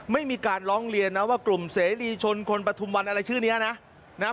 ไม่มีการร้องเรียนนะว่ากลุ่มเสรีชนคนปฐุมวันอะไรชื่อนี้นะ